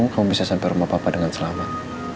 kamu bisa sampai rumah bapak dengan selamat